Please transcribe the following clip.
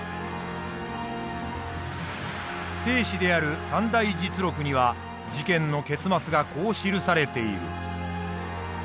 正史である「三代実録」には事件の結末がこう記されている。